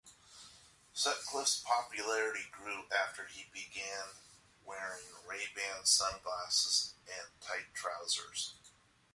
Sutcliffe's popularity grew after he began wearing Ray-Ban sunglasses and tight trousers.